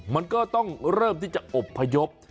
มันก็ต้องเริ่มที่จะอบพยพ